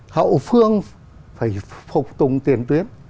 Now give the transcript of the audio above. hậu phương phải phục tùng tiền tuyến